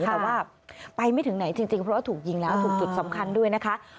แต่ว่าไปไม่ถึงไหนจริงเพราะว่าถูกยิงแล้วถูกจุดสำคัญด้วยนะคะ